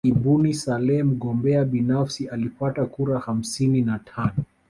Ibuni Saleh mgombea binafsi alipata kura hamsini na tano